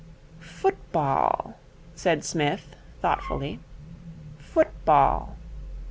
'Football,' said Psmith thoughtfully, 'football.